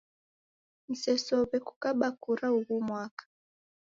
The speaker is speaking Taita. Msesow'e kukaba kura ughu mwaka.